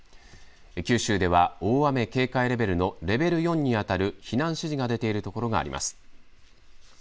九州では大雨警報レベルのレベル４に当たる避難指示が出ている所があります。